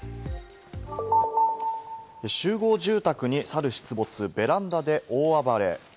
集合住宅にサル出没、ベランダで大暴れ。